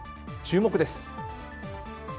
注目です。